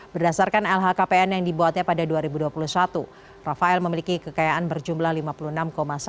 berdasarkan lhkpn yang dibuatnya pada dua ribu dua puluh satu rafael memiliki kekayaan berjumlah lima puluh enam satu